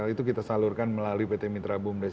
itu kita salurkan melalui pt mitra bumdes